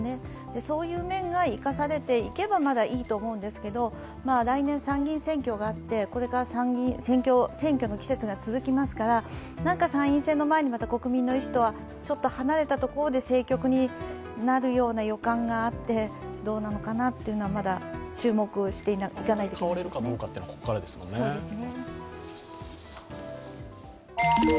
そういう面が生かされていけば、まだいいと思うんですけど、来年、参議院選挙があって、これから選挙の季節が続きますから参院選の前に国民の意思とはちょっと離れたところで政局になるような予感があって、どうなのかなというのはまだ注目していかないといけないですね。